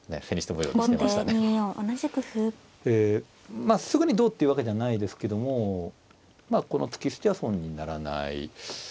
まあすぐにどうっていうわけじゃないですけどもまあこの突き捨ては損にならない。